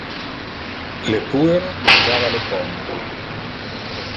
Le puero mangiava le pomo.